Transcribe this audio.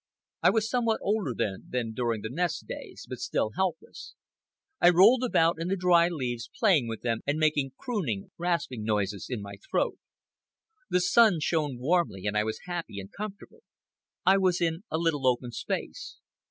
I was somewhat older than during the nest days, but still helpless. I rolled about in the dry leaves, playing with them and making crooning, rasping noises in my throat. The sun shone warmly and I was happy, and comfortable. I was in a little open space.